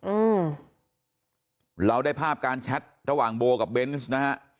อืมเราได้ภาพการแชทระหว่างโบกับเบนส์นะฮะ